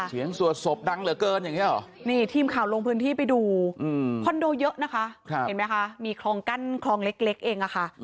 สวดศพดังเหลือเกินอย่างนี้หรอนี่ทีมข่าวลงพื้นที่ไปดูคอนโดเยอะนะคะเห็นไหมคะมีคลองกั้นคลองเล็กเองอะค่ะ